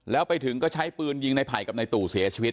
แล้วไปถึงก็ใช้ปืนยิงในไผ่กับในตู่เสียชีวิต